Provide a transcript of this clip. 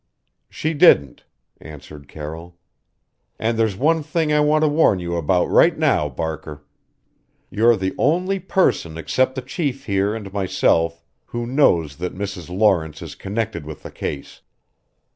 "She didn't," answered Carroll. "And there's one thing I want to warn you about right now, Barker. You're the only person except the Chief here, and myself, who knows that Mrs. Lawrence is connected with the case.